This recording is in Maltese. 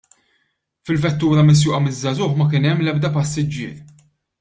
Fil-vettura misjuqa miż-żagħżugħ ma kien hemm l-ebda passiġġier.